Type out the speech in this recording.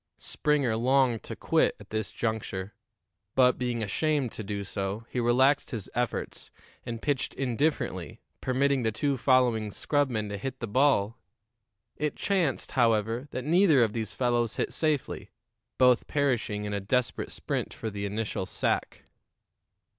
Springer longed to quit at this juncture, but, being ashamed to do so, he relaxed his efforts and pitched indifferently, permitting the two following scrubmen to hit the ball. It chanced, however, that neither of these fellows hit safely, both perishing in a desperate sprint for the initial sack.